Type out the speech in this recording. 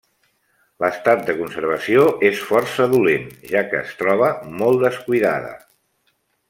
L'estat de conservació és força dolent, ja que es troba molt descuidada.